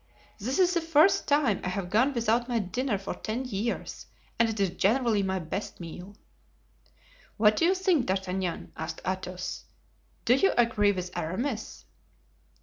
This is the first time I have gone without my dinner for ten years, and it is generally my best meal." "What do you think, D'Artagnan?" asked Athos. "Do you agree with Aramis?"